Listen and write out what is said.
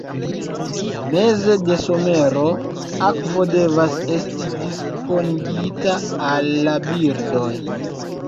Meze de somero, akvo devas esti disponigita al la birdoj.